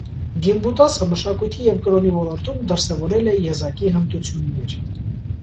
Գիմբուտասը մշակույթի և կրոնի ոլորտում դրսևորել է եզակի հմտություններ։